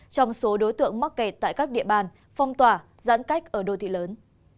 trong số đối tượng mắc kẹt tại các địa bàn phong tỏa giãn cách ở đô thị lớn